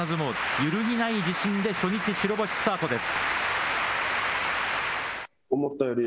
揺るぎない自信で初日白星スタートです。